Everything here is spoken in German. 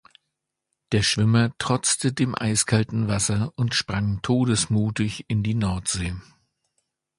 Der Schwimmer trotzte dem eiskalten Wasser und sprang todesmutig in die Nordsee.